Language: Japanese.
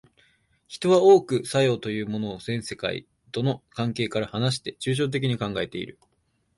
人は多く作用というものを全世界との関係から離して抽象的に考えている。